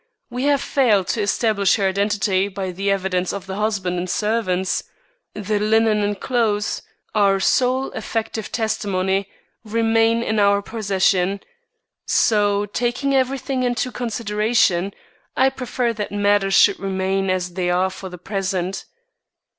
We have failed to establish her identity by the evidence of the husband and servants. The linen and clothes, our sole effective testimony, remain in our possession; so, taking everything into consideration, I prefer that matters should remain as they are for the present."